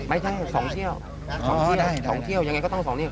ไม่ใช่๒เที่ยวยังไงก็ต้อง๒เที่ยว